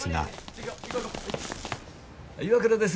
岩倉です。